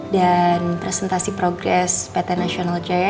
dan presentasi progres pt nasional jaya